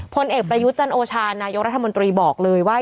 พลเอกประยุทธ์จันโอชานายกรัฐมนตรีบอกเลยว่า